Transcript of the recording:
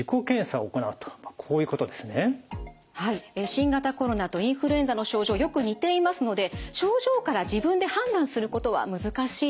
新型コロナとインフルエンザの症状よく似ていますので症状から自分で判断することは難しいです。